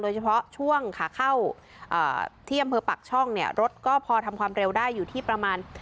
เฉพาะช่วงขาเข้าที่อำเภอปักช่องเนี่ยรถก็พอทำความเร็วได้อยู่ที่ประมาณ